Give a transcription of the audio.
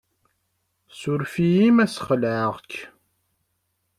Suref-iyi ma ssxelεeɣ-k.